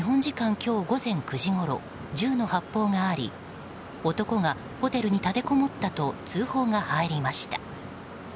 今日午前９時ごろ銃の発砲があり男がホテルに立てこもったと通報が入りました。